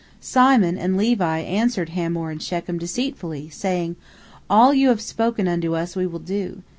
Simon and Levi answered Hamor and Shechem deceitfully, saying: "All you have spoken unto us we will do.